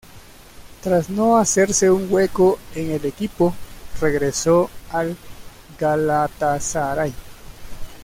Tras no hacerse un hueco en el equipo, regresó al Galatasaray.